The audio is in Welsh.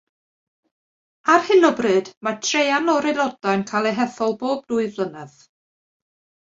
Ar hyn o bryd mae traean o'r aelodau'n cael eu hethol bob dwy flynedd.